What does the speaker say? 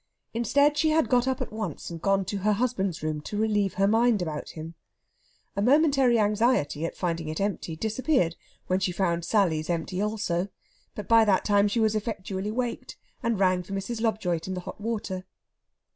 Instead, she had got up at once, and gone to her husband's room to relieve her mind about him. A momentary anxiety at finding it empty disappeared when she found Sally's empty also; but by that time she was effectually waked, and rang for Mrs. Lobjoit and the hot water.